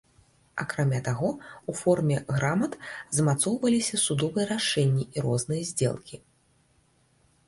Акрамя таго, у форме грамат замацоўваліся судовыя рашэнні і розныя здзелкі.